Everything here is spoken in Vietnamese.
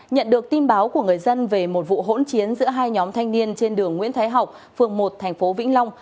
nhận được tin báo của người dân về một vụ hỗn chiến giữa hai nhóm thanh niên trên đường nguyễn thái học phường một thành phố vĩnh long